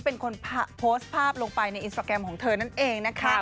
เป็นคนโพสต์ภาพลงไปในอินสตราแกรมของเธอนั่นเองนะคะ